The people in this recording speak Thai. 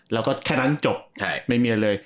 แล้วก็แค่นั้นจบไม่มีอะไรเลย